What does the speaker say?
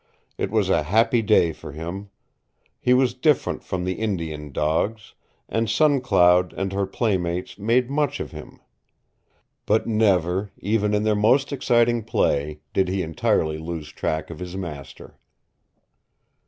It was a happy day for him. He was different from the Indian dogs, and Sun Cloud and her playmates made much of him. But never, even in their most exciting play, did he entirely lose track of his master.